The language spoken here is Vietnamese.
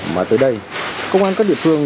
mà tới đây công an các địa phương